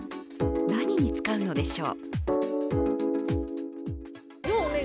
何に使うのでしょう。